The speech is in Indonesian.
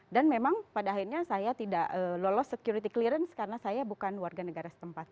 dan memang pada akhirnya saya tidak lolos security clearance karena saya bukan warga negara setempat